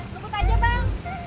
teguk aja bang